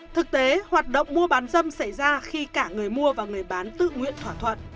thực tế hoạt động mua bán dâm xảy ra khi cả người mua và người bán tự nguyện thỏa thuận